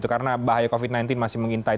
karena bahaya covid sembilan belas masih mengintai